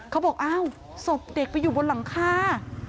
เค้าบอกสมเด็กไปอยู่บนหลังคา